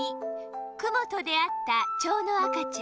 クモとであったちょうのあかちゃん。